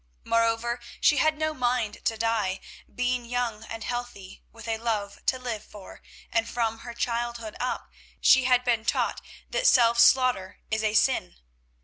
Moreover, she had no mind to die, being young and healthy, with a love to live for, and from her childhood up she had been taught that self slaughter is a sin.